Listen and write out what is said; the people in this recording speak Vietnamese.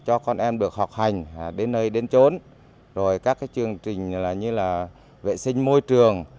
là cho con em được học hành đến nơi đến chỗ rồi các cái chương trình như là vệ sinh môi trường